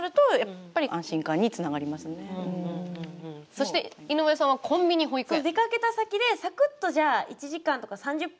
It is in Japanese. そして、井上さんは「コンビニ保育園」。